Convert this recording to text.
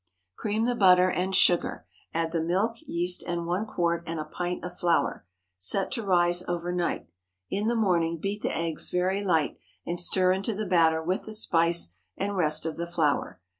Cream the butter and sugar, add the milk, yeast, and one quart and a pint of flour. Set to rise over night. In the morning beat the eggs very light, and stir into the batter with the spice and rest of the flour.